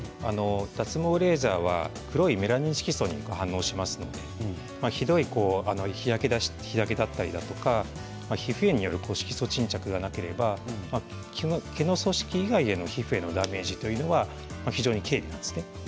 脱毛レーザーは黒いメラニン色素に反応しますのでひどい日焼けだったり皮膚炎による色素沈着がなければ毛の組織以外への皮膚へのダメージは非常に軽微ですね。